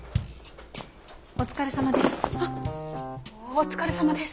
お疲れさまです。